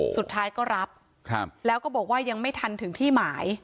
สุดท้ายก็รับแล้วก็บอกว่ายังไม่ทันถึงที่หมาย